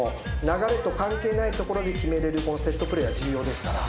流れと関係ないところで決められるセットプレーは重要ですから。